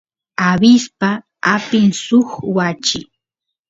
abispa apin suk wachi